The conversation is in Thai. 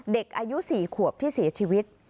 เด็กอายุ๔ขวบที่เสียชีวิต